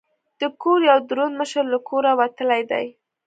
د کور یو دروند مشر له کوره وتلی دی.